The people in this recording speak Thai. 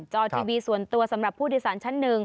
จอทีวีส่วนตัวสำหรับผู้โดยสารชั้นหนึ่ง